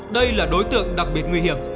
đây là đối tượng đặc biệt nguy hiểm